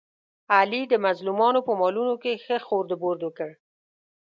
علي د مظلومانو په مالونو کې ښه خورد برد وکړ.